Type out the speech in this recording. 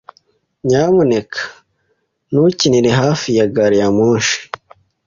Nyamuneka ntukinire hafi ya gari ya moshi.